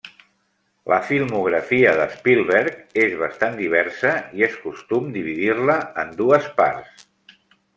La filmografia de Spielberg és bastant diversa, i és costum dividir-la en dues parts.